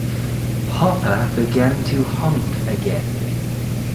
Hopper began to honk again.